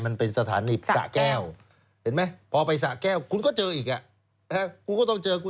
อ่าสถานีต่อไปดีกว่าค่ะ